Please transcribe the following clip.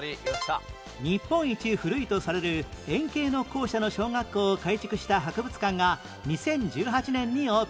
日本一古いとされる円形の校舎の小学校を改築した博物館が２０１８年にオープン